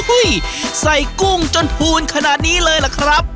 ใส่กุ้งจนพูนขนาดนี้เลยล่ะครับ